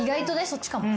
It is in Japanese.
そっちかも。